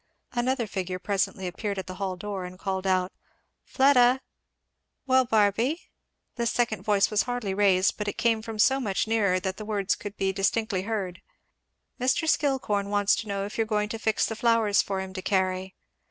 Another figure presently appeared at the hall door and called out, "Fleda! " "Well, Barby " This second voice was hardly raised, but it came from so much nearer that the words could be distinctly heard. "Mr. Skillcorn wants to know if you're going to fix the flowers for him to carry?"